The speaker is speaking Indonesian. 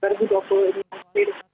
berdua puluh ini